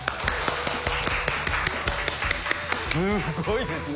すごいですね！